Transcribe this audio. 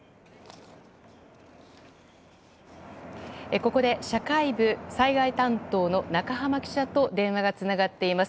ここで社会部災害担当のナカハマ記者と電話がつながっています。